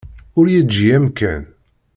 Ur yeǧǧi amkan.